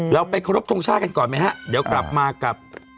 เราไปครบทรงชาติกันก่อนไหมฮะเดี๋ยวกลับมากับ